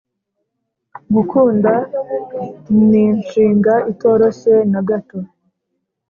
Gukunda ninshinga itoroshye nagato